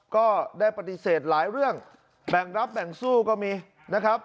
ก็ได้ปฏิเสธหลายเรื่องแบ่งรับแบ่งสู้ก็มีนะครับ